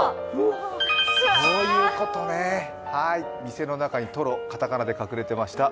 そういうことね、店の中にトロ、カタカナで隠れてました。